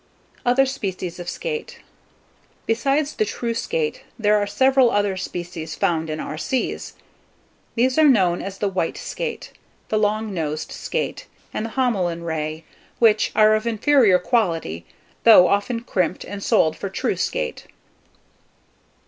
OTHER SPECIES OF SKATE. Besides the true skate, there are several other species found in our seas. These are known as the white skate, the long nosed skate, and the Homelyn ray, which are of inferior quality, though often crimped, and sold for true skate.